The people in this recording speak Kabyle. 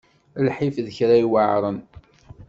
Lḥif d kra yuɛren.